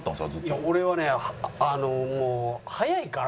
いや俺はねもう早いから。